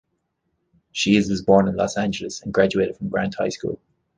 Shields was born in Los Angeles and graduated from Grant High School.